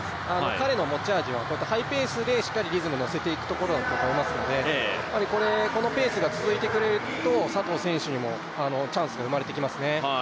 彼の持ち味は、ハイペースでしっかりリズム乗せていくところだと思いますのでこのペースが続いてくれると、佐藤選手にもチャンスが生まれてきますね。